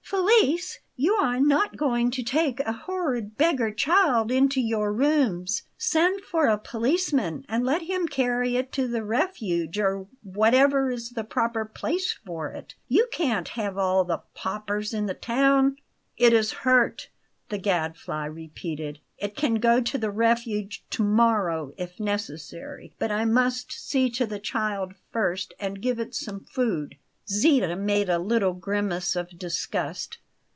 "Felice! you are not going to take a horrid beggar child into your rooms! Send for a policeman, and let him carry it to the Refuge or whatever is the proper place for it. You can't have all the paupers in the town " "It is hurt," the Gadfly repeated; "it can go to the Refuge to morrow, if necessary, but I must see to the child first and give it some food." Zita made a little grimace of disgust.